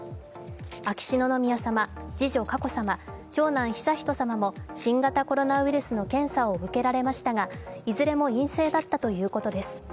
秋篠宮さま、次女・佳子さま、長男・悠仁さまも新型コロナウイルスの検査を受けられましたがいずれも陰性だったということです。